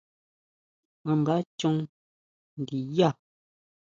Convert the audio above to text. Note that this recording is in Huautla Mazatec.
¿A nda chon ndinyá?